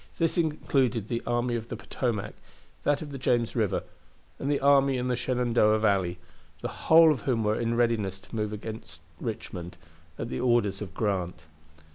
This included the army of the Potomac, that of the James River, and the army in the Shenandoah Valley the whole of whom were in readiness to move forward against Richmond at the orders of Grant.